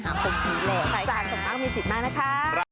ใครสามารถส่งได้ก็มีสิทธิ์มานะคะ